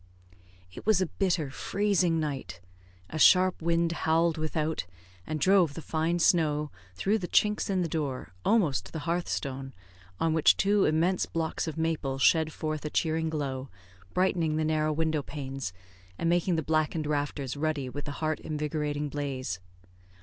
It was a bitter, freezing night. A sharp wind howled without, and drove the fine snow through the chinks in the door, almost to the hearth stone, on which two immense blocks of maple shed forth a cheering glow, brightening the narrow window panes, and making the blackened rafters ruddy with the heart invigorating blaze.